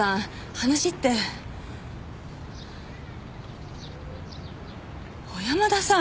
話って小山田さん！